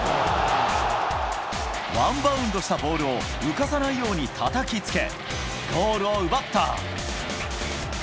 ワンバウンドしたボールを浮かさないようにたたきつけ、ゴールを奪った。